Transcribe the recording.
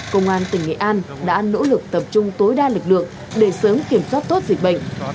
công an tỉnh nghệ an đã nỗ lực tập trung tối đa lực lượng để sớm kiểm soát tốt dịch bệnh